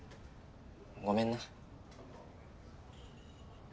ごめんな。